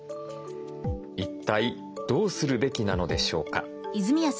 一体どうするべきなのでしょうか」。